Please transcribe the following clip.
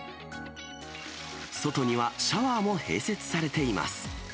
外にはシャワーも併設されています。